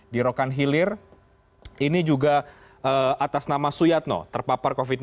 di rokan hilir ini juga atas nama suyatno terpapar covid sembilan belas